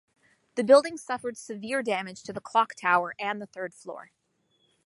The building suffered severe damage to the clock tower and the third floor.